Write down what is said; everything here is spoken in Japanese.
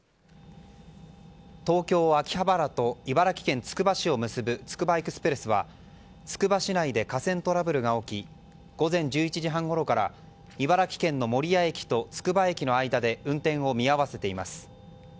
東京・秋葉原と茨城県つくば市を結ぶつくばエクスプレスはつくば市内で架線トラブルが起き午前１１時半ごろから茨城県の守谷駅とつくば駅の間で運転を見合わせています。